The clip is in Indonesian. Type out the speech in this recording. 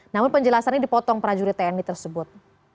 namun penjelasannya dipotong prajurit tni tersebut